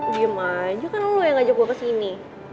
diam aja kan lo yang ajak gue kesini